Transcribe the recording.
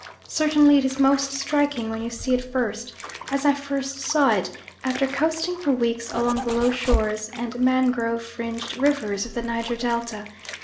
Certainly it is most striking when you see it first, as I first saw it, after coasting for weeks along the low shores and mangrove fringed rivers of the Niger Delta.